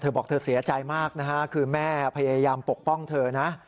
บอกเธอเสียใจมากนะฮะคือแม่พยายามปกป้องเธอนะ